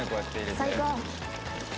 最高！